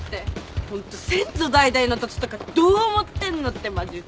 ホント先祖代々の土地とかどう思ってんのってマジうち